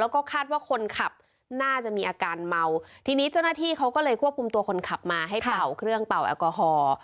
แล้วก็คาดว่าคนขับน่าจะมีอาการเมาทีนี้เจ้าหน้าที่เขาก็เลยควบคุมตัวคนขับมาให้เป่าเครื่องเป่าแอลกอฮอล์